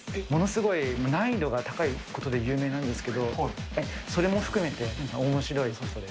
ものすごい、難易度が高いことで有名なんですけど、それも含めておもしろいソフトです。